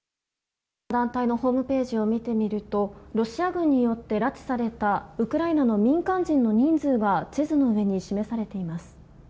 団体のホームページを見てみるとロシア軍によって拉致されたウクライナの民間人の人数が地図の上に示されています。